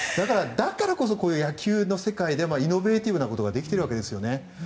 だからこそ野球の世界でもイノベーティブなことができているわけですね。